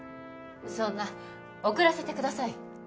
そんな贈らせてください